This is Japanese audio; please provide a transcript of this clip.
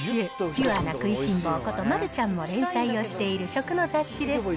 ピュアな食いしん坊こと丸ちゃんも連載をしている食の雑誌です。